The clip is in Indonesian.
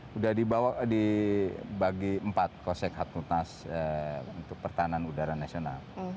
sudah dibagi empat kosek hatutas untuk pertahanan udara nasional